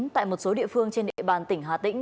tại một số địa phương trên địa bàn tỉnh hà tĩnh